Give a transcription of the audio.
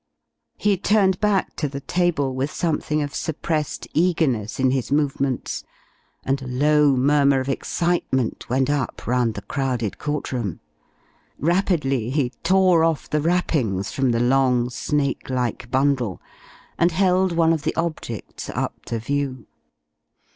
He turned back to the table with something of suppressed eagerness in his movements, and a low murmur of excitement went up round the crowded court room. Rapidly he tore off the wrappings from the long, snake like bundle, and held one of the objects up to view.